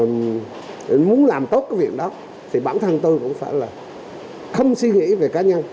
mình muốn làm tốt cái việc đó thì bản thân tôi cũng phải là không suy nghĩ về cá nhân